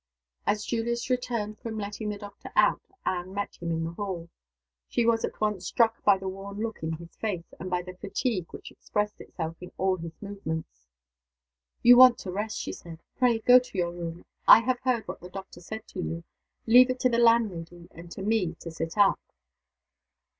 As Julius returned from letting the doctor out, Anne met him in the hall. She was at once struck by the worn look in his face, and by the fatigue which expressed itself in all his movements. "You want rest," she said. "Pray go to your room. I have heard what the doctor said to you. Leave it to the landlady and to me to sit up."